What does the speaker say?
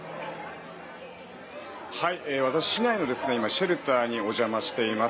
私、市内のシェルターにお邪魔しています。